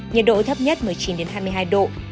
nhiệt độ thấp nhất một mươi chín hai mươi hai độ